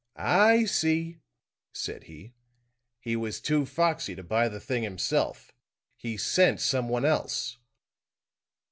"I see," said he. "He was too foxy to buy the thing himself. He sent someone else."